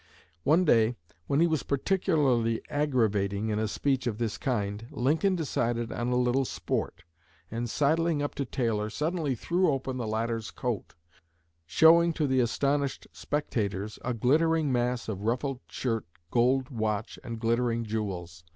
One day, when he was particularly aggravating in a speech of this kind, Lincoln decided on a little sport, and sidling up to Taylor suddenly threw open the latter's coat, showing to the astonished spectators a glittering mass of ruffled shirt, gold watch, and glittering jewels.